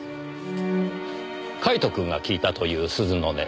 カイトくんが聞いたという鈴の音。